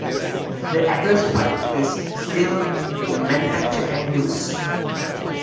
The Atlas Five is still in manufacture and use.